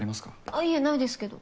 あっいえないですけど。